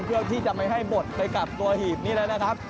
เพื่อที่จะไม่ให้บดไปกับตัวหีบนี้แล้วนะครับ